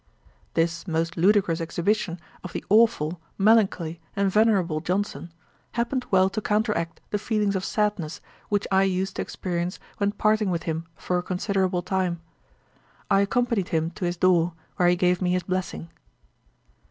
This most ludicrous exhibition of the aweful, melancholy, and venerable Johnson, happened well to counteract the feelings of sadness which I used to experience when parting with him for a considerable time. I accompanied him to his door, where he gave me his blessing.